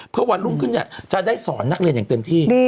เพื่อวันรุ่งขึ้นจะได้สอนนักเรียนอย่างเต็มที่